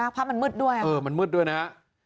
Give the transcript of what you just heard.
เพราะมันมืดด้วยเออมันมืดด้วยนะครับ